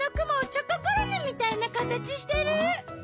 チョココロネみたいなかたちしてる！